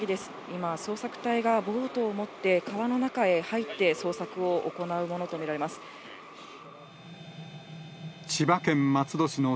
今、捜索隊がボートを持って、川の中へ入って、捜索を行うもの